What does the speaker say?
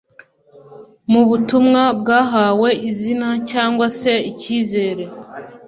mu butumwa bwahawe izina cyangwa se Icyizere